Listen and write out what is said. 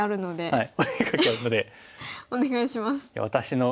はい。